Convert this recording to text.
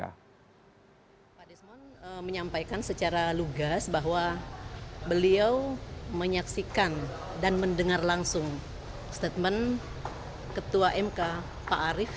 pak desmond menyampaikan secara lugas bahwa beliau menyaksikan dan mendengar langsung statement ketua mk pak arief